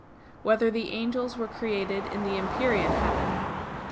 4] Whether the Angels Were Created in the Empyrean Heaven?